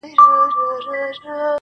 چي څه وکړم، لوټمارې ته ولاړه ده حيرانه,